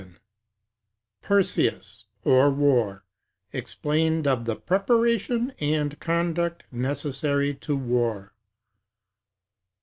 —PERSEUS, OR WAR. EXPLAINED OF THE PREPARATION AND CONDUCT NECESSARY TO WAR.